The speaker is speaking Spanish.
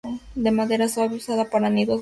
De madera suave, usada para nidos de aves.